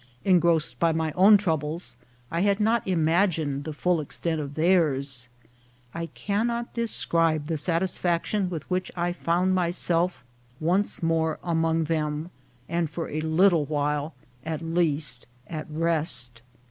Engrossed by my own troubles, I had not imagined the full extent of theirs. I cannot describe the satisfaction with which I found myself once more among them, and for a little while, at least, at rest.